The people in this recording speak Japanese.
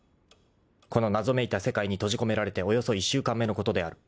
［この謎めいた世界に閉じ込められておよそ１週間目のことである］